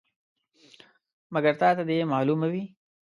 مګر تا ته دې معلومه وي.